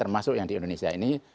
termasuk yang di indonesia ini